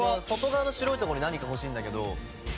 外側の白いとこに何か欲しいんだけど。